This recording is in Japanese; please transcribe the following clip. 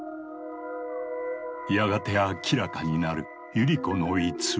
やがて明らかになるユリ子の偽り。